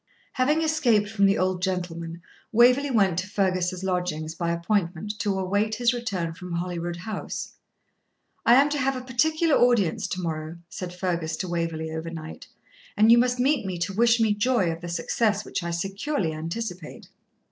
Having escaped from the old gentleman, Waverley went to Fergus's lodgings by appointment, to await his return from Holyrood House. 'I am to have a particular audience to morrow,' said Fergus to Waverley overnight, 'and you must meet me to wish me joy of the success which I securely anticipate.'